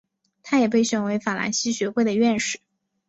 他也被选为法兰西学会的院士。